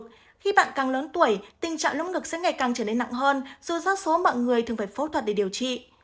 khi bạn càng lớn tuổi tình trạng lông ngực sẽ ngày càng trở nên nặng hơn dù ra số mọi người thường phải phẫu thuật để điều trị